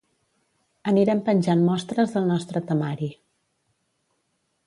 Anirem penjant mostres del nostre temari.